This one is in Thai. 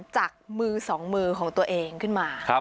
จากมือสองมือของตัวเองขึ้นมา